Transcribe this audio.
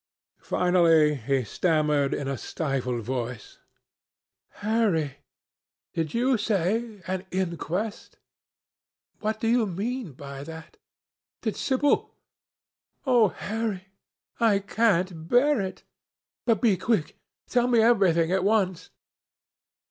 Finally he stammered, in a stifled voice, "Harry, did you say an inquest? What did you mean by that? Did Sibyl—? Oh, Harry, I can't bear it! But be quick. Tell me everything at once."